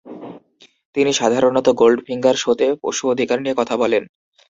তিনি সাধারণত গোল্ডফিঙ্গার শোতে পশু অধিকার নিয়ে কথা বলেন।